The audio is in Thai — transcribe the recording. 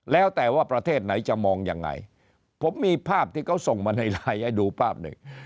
แล้วแต่ว่าประเทศไหนจะมองยังไงผมมีภาพที่เขาส่งมาในไลน์ให้ดูภาพหนึ่ง